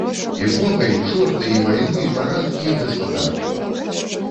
І бога, і чорта, і вайну, і парадкі, і гаспадарку.